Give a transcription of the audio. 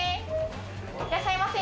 いらっしゃいませ！